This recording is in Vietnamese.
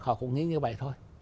họ cũng nghĩ như vậy thôi